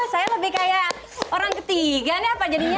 saya lebih kayak orang ketiga nih apa jadinya